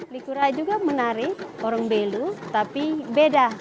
likura juga menarik orang belu tapi beda